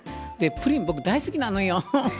プリン、僕、大好きなのよ。